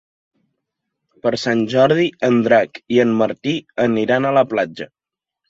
Per Sant Jordi en Drac i en Martí aniran a la platja.